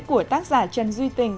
của tác giả trần duy tình